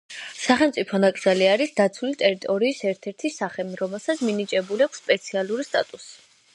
სახელმწიფო ნაკრძალი არის დაცული ტერიტორიის ერთ-ერთი სახე, რომელსაც მინიჭებული აქვს სპეციალური სტატუსი.